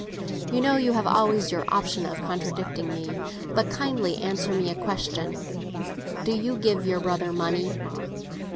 You know you have always your option of contradicting me. But kindly answer me a question. Don't you give your brother money?